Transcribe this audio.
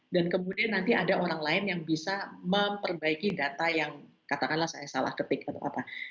dan kemudian nanti ada orang lain yang bisa memperbaiki data yang katakanlah saya salah ketik atau apa